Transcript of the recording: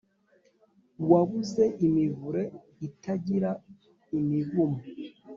wabuze imivure itagira imivumo